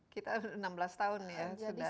kita enam belas tahun ya